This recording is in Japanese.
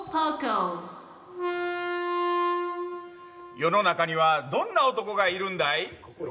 世の中にはどんな男がいるんだい。